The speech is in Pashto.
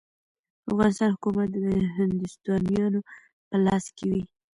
د افغانستان حکومت به د هندوستانیانو په لاس کې وي.